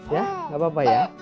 ya nggak apa apa ya